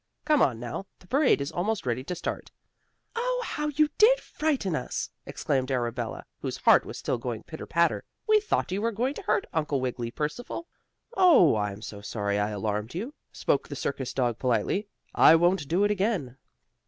Come on, now, the parade is almost ready to start." "Oh, how you did frighten us!" exclaimed Arabella, whose heart was still going pitter patter. "We thought you were going to hurt Uncle Wiggily, Percival." "Oh, I'm so sorry I alarmed you," spoke the circus dog politely. "I won't do it again."